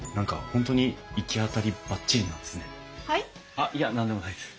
あっいや何でもないです。